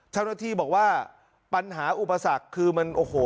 เจ้าหน้าที่บอกว่าปัญหาอุปสรรคคือมันโอ้โห